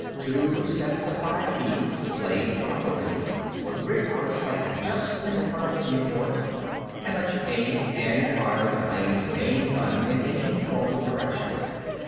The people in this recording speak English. Two sets of five keys, played properly, would rig out a sight just in front of the viewport and let you aim and fire the plane's main gun in any forward direction.